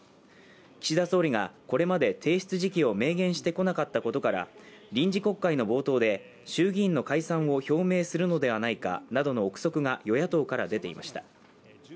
岸田総理がこれまで提出時期を明言してこなかったことから臨時国会の冒頭で衆議院の解散を表明するのではないかなどの臆測が与野党から出ていました。